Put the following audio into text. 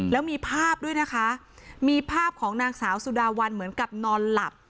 แล้วมีภาพด้วยนะคะมีภาพของนางสาวสุดาวันเหมือนกับนอนหลับ